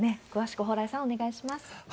詳しく蓬莱さん、お願いします。